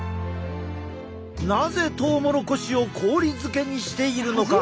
なぜトウモロコシを氷漬けにしているのか？